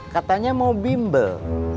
katanya mau bimbel